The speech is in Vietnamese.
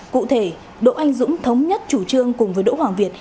cụ thể đỗ anh dũng thống nhất chủ trương cùng với đỗ hoàng việt